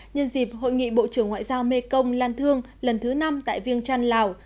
nhân dịp hội nghị bộ trưởng ngoại giao mekong lan thương lần thứ năm tại viêng trăn lào